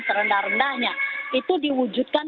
serendah rendahnya itu diwujudkan